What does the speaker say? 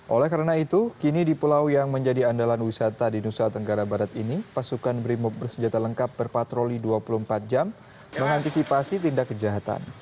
oleh karena itu kini di pulau yang menjadi andalan wisata di nusa tenggara barat ini pasukan brimob bersenjata lengkap berpatroli dua puluh empat jam mengantisipasi tindak kejahatan